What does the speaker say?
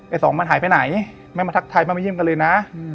สองมันหายไปไหนแม่มาทักทายมาเยี่ยมกันเลยนะ